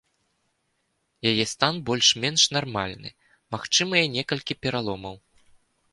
Яе стан больш-менш нармальны, магчымыя некалькі пераломаў.